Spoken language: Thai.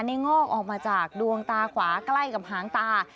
งอกออกมาจากดวงตาขวาใกล้กับหางตา